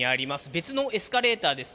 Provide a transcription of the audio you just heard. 別のエスカレーターです。